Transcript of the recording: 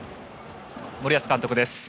森保監督です。